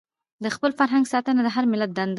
د خپل فرهنګ ساتنه د هر ملت دنده ده.